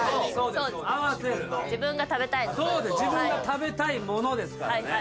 自分が食べたいものですからね。